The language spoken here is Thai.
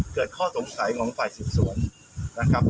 เกิดข้อสงสัยของฝ่ายสืบสวนนะครับ